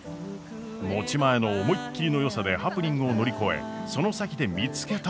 持ち前の思いっきりのよさでハプニングを乗り越えその先で見つけたもの。